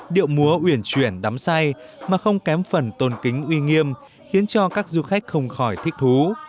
điệu múa uyển chuyển đắm say mà không kém phần tôn kính uy nghiêm khiến cho các du khách không khỏi thích thú